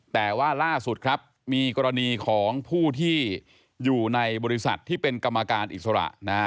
แต่ว่าล่าสุดครับมีกรณีของผู้ที่อยู่ในบริษัทที่เป็นกรรมการอิสระนะฮะ